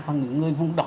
và những người vùng đỏ